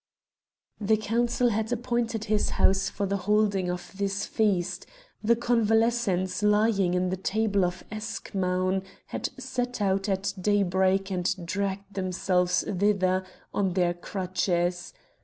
The Council had appointed his house for the holding of this feast; the convalescents lying in the temple of Eschmoun had set out at daybreak and dragged themselves thither on their crutches.